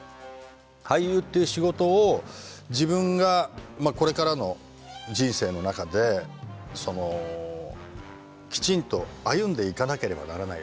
俳優っていう仕事を自分がまあこれからの人生の中でそのきちんと歩んでいかなければならないよね